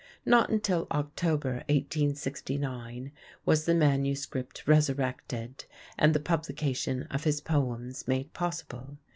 Not until October, 1869, was the manuscript resurrected and the publication of his poems made possible.